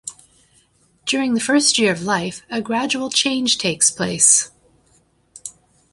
During the first year of life, a gradual change takes place.